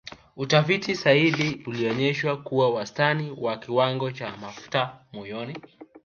Utafiti zaidi ulionyesha kuwa wastani wa kiwango cha mafuta moyoni